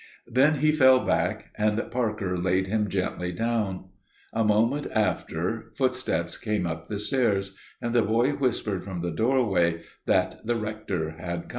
Then he fell back; and Parker laid him gently down. A moment after footsteps came up the stairs: and the boy whispered from the doorway that the Rector had come.